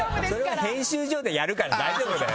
それは編集所でやるから大丈夫だよ。